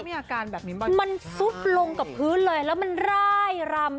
มันซุดลงกับพื้นเลยแล้วมันร้ายลำ